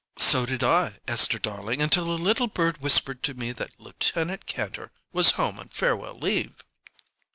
"So did I, Esther darling, until a little bird whispered to me that Lieutenant Kantor was home on farewell leave."